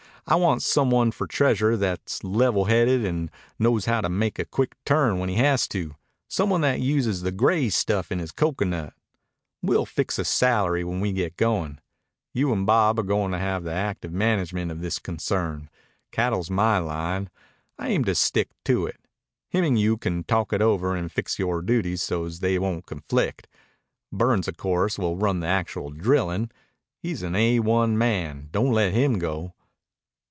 I want some one for treasurer that's level haided and knows how to make a quick turn when he has to, some one that uses the gray stuff in his cocoanut. We'll fix a salary when we get goin'. You and Bob are goin' to have the active management of this concern. Cattle's my line, an' I aim to stick to it. Him and you can talk it over and fix yore duties so's they won't conflict. Burns, of course, will run the actual drillin'. He's an A1 man. Don't let him go."